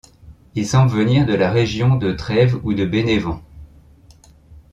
Il semble venir de la région de Trèves ou de Bénévent.